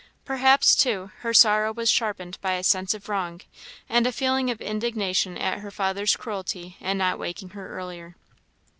Perhaps, too, her sorrow was sharpened by a sense of wrong, and a feeling of indignation at her father's cruelty in not waking her earlier.